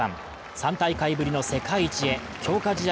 ３大会ぶりの世界一へ強化試合